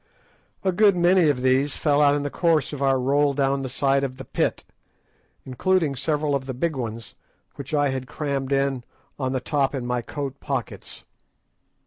A good many of these fell out in the course of our roll down the side of the pit, including several of the big ones, which I had crammed in on the top in my coat pockets.